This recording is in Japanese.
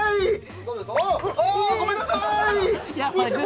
あ！ごめんなさい！